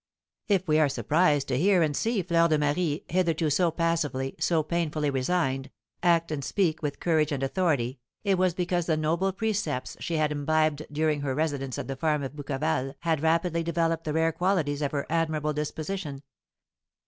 If we are surprised to hear and see Fleur de Marie, hitherto so passively, so painfully resigned, act and speak with courage and authority, it was because the noble precepts she had imbibed during her residence at the farm at Bouqueval had rapidly developed the rare qualities of her admirable disposition.